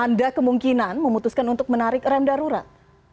anda kemungkinan memutuskan untuk menarik rem darurat